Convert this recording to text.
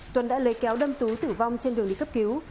tuấn đã lấy kéo đâm tú tử vong trên đường đi cấp cứu